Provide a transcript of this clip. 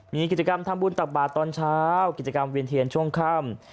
มีกิจกรรมทำบุญตักบาทตอนเช้ากิจกรรมเวียนเทียนช่วงค่ำ